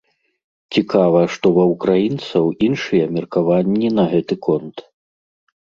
Цікава, што ва ўкраінцаў іншыя меркаванні на гэты конт.